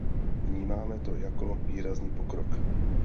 Vnímáme to jako výrazný pokrok.